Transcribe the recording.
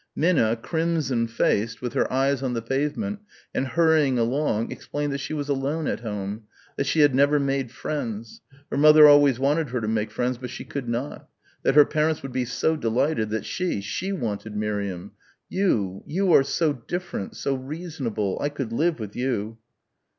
Minna, crimson faced, with her eyes on the pavement and hurrying along explained that she was alone at home, that she had never made friends her mother always wanted her to make friends but she could not that her parents would be so delighted that she, she wanted Miriam, "You, you are so different, so reasonable I could live with you."